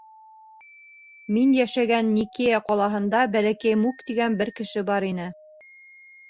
Мин йәшәгән Никея ҡалаһында Бәләкәй Мук тигән кеше бар ине.